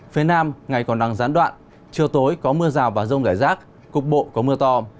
phía nam ngày còn đang gián đoạn trưa tối có mưa rào và rông gãy rác cục bộ có mưa to